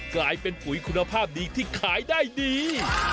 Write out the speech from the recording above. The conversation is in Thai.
กลายเป็นปุ๋ยคุณภาพดีที่ขายได้ดี